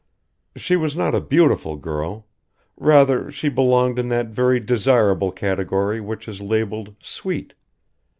She was not a beautiful girl: rather she belonged in that very desirable category which is labeled "Sweet."